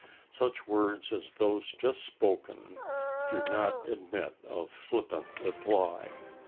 Such words as those just spoken did not admit of flippant reply.